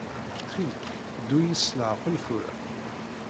Ttxil-k, ddu-iyi s leɛqel tura.